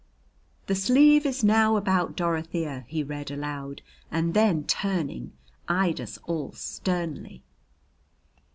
"'The sleeve is now about Dorothea,'" he read aloud, and then, turning, eyed us all sternly.